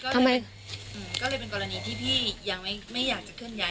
ทำไมก็เลยเป็นกรณีที่พี่ยังไม่อยากจะเคลื่อนย้าย